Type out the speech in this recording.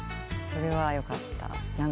それはよかった。